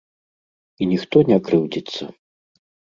І ніхто не крыўдзіцца.